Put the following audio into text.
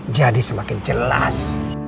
jadi semakin jelas